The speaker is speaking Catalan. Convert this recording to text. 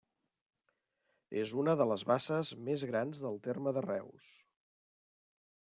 És una de les basses més grans del terme de Reus.